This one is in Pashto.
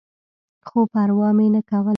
خو پروا مې نه کوله.